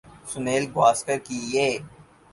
سنیل گواسکر کی یہ